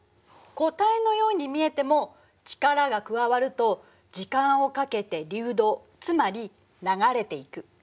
固体のように見えても力が加わると時間をかけて流動つまり流れていく。